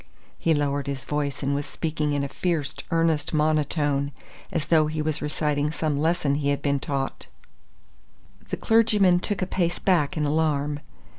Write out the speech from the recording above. He lowered his voice and was speaking in a fierce earnest monotone, as though he was reciting some lesson he had been taught. The clergyman took a pace back in alarm.